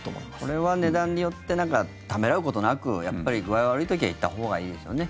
これは値段によってためらうことなくやっぱり具合悪い時は行ったほうがいいですよね。